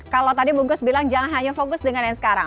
kalau tadi bungkus bilang jangan hanya fokus dengan yang sekarang